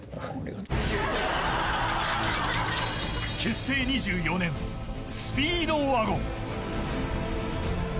結成２４年、スピードワゴン。